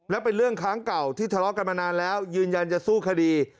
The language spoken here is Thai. และเป็นเรื่องค้างเก่าที่ทะเลาะกันมานานแล้วยืนยันจะสู้คดี